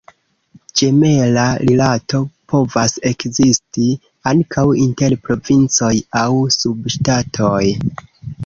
Ĝemela rilato povas ekzisti ankaŭ inter provincoj aŭ subŝtatoj.